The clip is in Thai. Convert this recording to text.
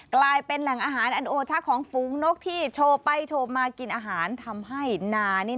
กลายเป็นแหล่งอาหารอันโอทักของฝูงนกที่โชว์ไปโชว์มากินอาหารทำให้นานี่